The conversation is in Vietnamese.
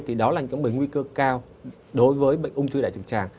thì đó là một nguy cơ cao đối với bệnh ung thư đại tràng